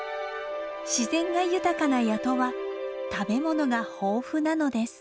自然が豊かな谷戸は食べ物が豊富なのです。